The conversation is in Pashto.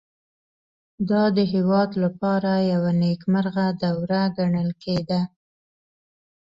دا د دې هېواد لپاره یوه نېکمرغه دوره ګڼل کېده